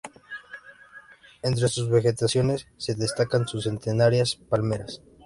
Entre su vegetación se destacan sus centenarias palmeras.